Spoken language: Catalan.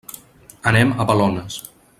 Anem a Balones.